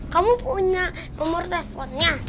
kamu punya nomor teleponnya